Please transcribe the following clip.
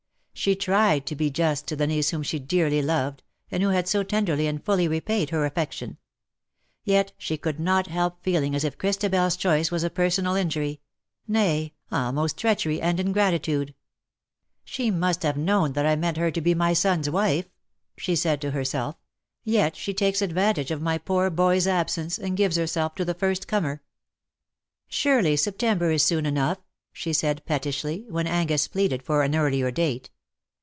She tried to be just to the niece whom she dearly loved, and who had so tenderly and fully repaid her affection. Yet she could not help feeling as if ChristabeFs choice was a personal injury — nay, almost treachery and ingratitude. " She must have known that I meant her to be my son's wife/' she said to her 198 IN SOCIETY. self; " yet she takes advantage of my jjoor boy^s absence^ and gives herself to the first comer/ '" Surely September is soon enough/ ' she said, pettishly, when Angus pleaded for an earlier date.